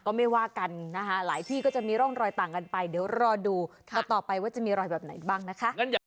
ก็ไม่ว่ากันนะคะหลายที่ก็จะมีร่องรอยต่างกันไปเดี๋ยวรอดูต่อไปว่าจะมีรอยแบบไหนบ้างนะคะ